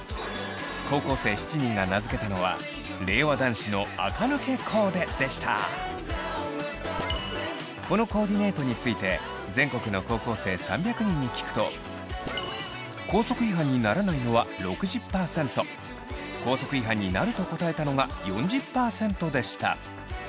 高校生７人が名付けたのはこのコーディネートについて全国の高校生３００人に聞くと校則違反にならないのは６０％校則違反になると答えたのが４０％でした。